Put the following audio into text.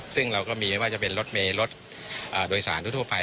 ซึ่งเราก็มีไม่ว่าจะเป็นรถเมย์รถโดยสารทั่วไป